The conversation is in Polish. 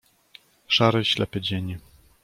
"Szary, ślepy dzień."